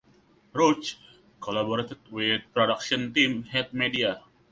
Rouge collaborated with production team Head Media.